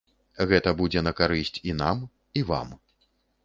Гэта будзе на карысць і нам, і вам.